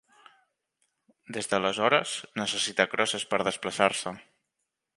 Des d'aleshores, necessità crosses per a desplaçar-se.